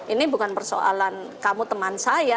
ini bukan persoalan kamu teman saya